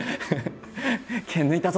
剣抜いたぞ！